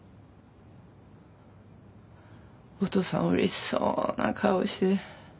お父さんうれしそうな顔して。